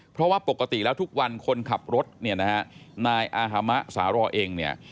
เพราะว่าปกติแล้วทุกวันคนขับรถนายอาฮามะสารอเอง